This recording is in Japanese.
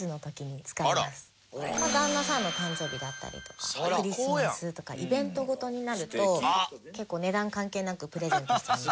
旦那さんの誕生日だったりとかクリスマスとかイベント事になると結構値段関係なくプレゼントしちゃいます。